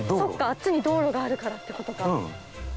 あっちに道路があるからってことか。